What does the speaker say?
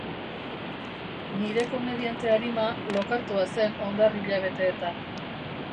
Nire komediante arima lokartua zen hondar hilabeteetan.